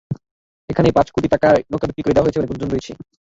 এখানে পাঁচ কোটি টাকায় নৌকা বিক্রি করে দেওয়া হয়েছে বলে গুঞ্জন রয়েছে।